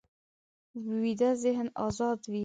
ویده ذهن ازاد وي